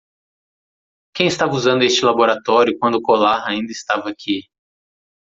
Quem estava usando este laboratório quando o colar ainda estava aqui?